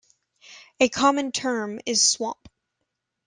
A common term is swamp.